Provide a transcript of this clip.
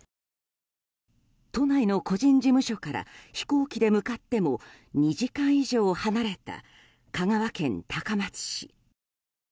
都内の個人事務所から飛行機で向かっても２時間以上離れた香川県高松市。